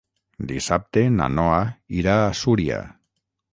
Dissabte na Noa irà a Súria.